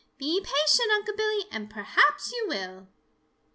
"Be patient, Unc' Billy, and perhaps you will."